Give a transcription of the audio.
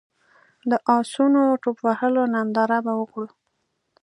د اسونو ټوپ وهلو ننداره به وکړو.